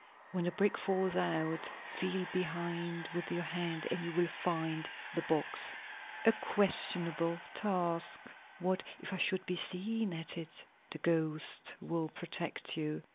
When the brick falls out, feel behind with your hand and you will find the box." "A questionable task. What if I should be seen at it?" "The ghost will protect you!"